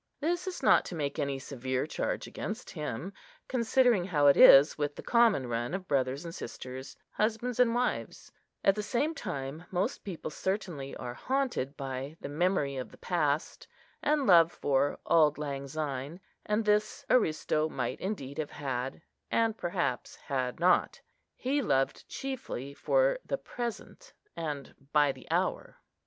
This is not to make any severe charge against him, considering how it is with the common run of brothers and sisters, husbands and wives; at the same time, most people certainly are haunted by the memory of the past, and love for "Auld lang syne," and this Aristo might indeed have had, and perhaps had not. He loved chiefly for the present, and by the hour.